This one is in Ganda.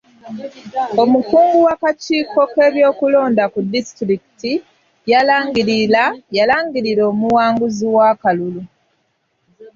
Omukungu w'akakiiko k'ebyokulonda ku disitulikiti yalangirira omuwanguzi w'akalulu.